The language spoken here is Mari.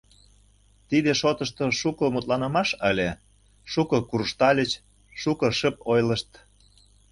Тиде шотышто шуко мутланымаш ыле, шуко куржтальыч, шуко шып ойлышт.